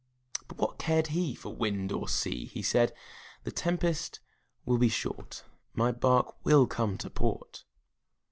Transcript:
But what cared he For wind or sea! He said, "The tempest will be short, My bark will come to port."